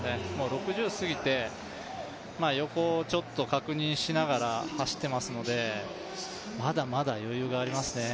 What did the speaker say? ６０過ぎて横をちょっと確認しながら走ってますのでまだまだ余裕がありますね。